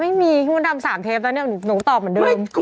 ไม่มีคุณทำ๓เทปแล้วนี่หนูตอบเหมือนเดิม